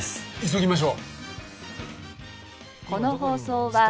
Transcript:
急ぎましょう！